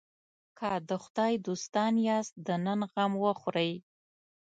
که د خدای دوستان یاست د نن غم وخورئ.